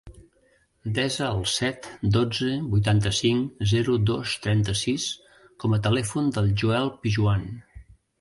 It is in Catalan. Desa el set, dotze, vuitanta-cinc, zero, dos, trenta-sis com a telèfon del Joel Pijuan.